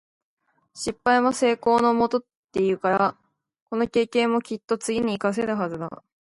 「失敗は成功のもと」って言うから、この経験もきっと次に活かせるはずだ。